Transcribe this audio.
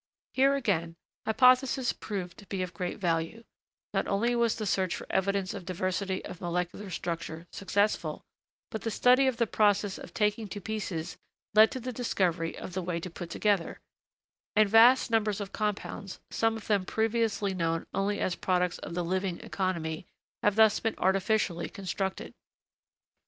Here, again, hypothesis proved to be of great value; not only was the search for evidence of diversity of molecular structure successful, but the study of the process of taking to pieces led to the discovery of the way to put together; and vast numbers of compounds, some of them previously known only as products of the living economy, have thus been artificially constructed.